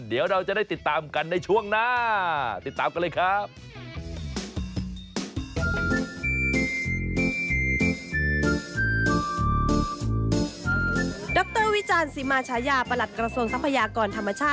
เดี๋ยวเราจะได้ติดตามกันในช่วงหน้า